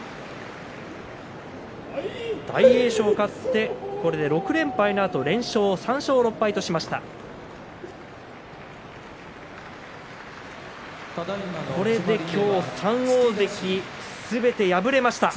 大栄翔、勝って６連敗のあと連勝で３勝６敗としました。